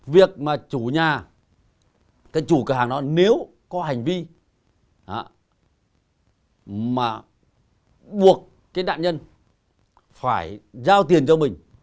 việc mà chủ nhà cái chủ cửa hàng đó nếu có hành vi mà buộc cái đạn nhân phải giao tiền cho mình